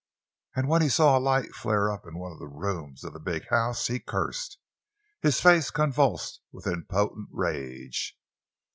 And when he saw a light flare up in one of the rooms of the big house, he cursed, his face convulsed with impotent rage.